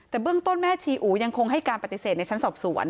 แต่เบื้องต้นแม่ชีอูยังคงให้การปฏิเสธในชั้นสอบสวน